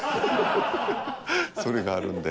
それがあるんで。